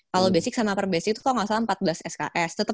kalau basic sama upper basic tuh kalau gak salah empat belas sks